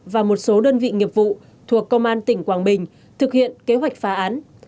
và một số đơn vị nghiệp vụ thuộc công an tỉnh quảng bình thực hiện kế hoạch phá án